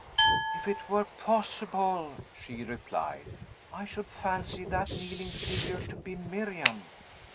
"If it were possible," she replied, "I should fancy that kneeling figure to be Miriam!"